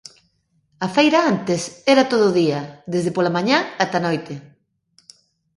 A feira antes era todo o día, desde pola mañá ata a noite.